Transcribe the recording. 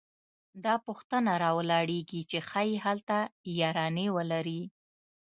دا پوښتنه راولاړېږي چې ښايي هلته یارانې ولري